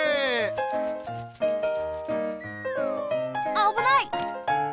あぶない！